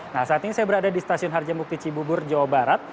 nah saat ini saya berada di stasiun harjamukti cibubur jawa barat